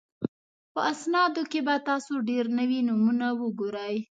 په اسنادو کې به تاسو ډېر نوي نومونه وګورئ.